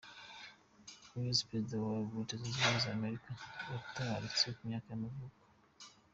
Hayes, perezida wa wa Leta zunze ubumwe za Amerika yaratabarutse, ku myaka y’amavuko.